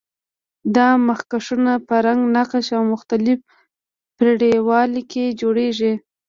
دا مخکشونه په رنګ، نقش او مختلف پرېړوالي کې جوړیږي.